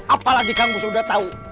apalagi kamu sudah tahu